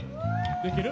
できる？